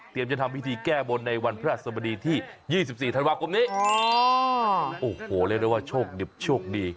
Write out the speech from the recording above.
จะทำพิธีแก้บนในวันพระสบดีที่๒๔ธันวาคมนี้โอ้โหเรียกได้ว่าโชคดิบโชคดี